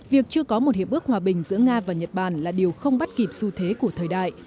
việc chưa có một hiệp ước hòa bình giữa nga và nhật bản là điều không bắt kịp xu thế của thời đại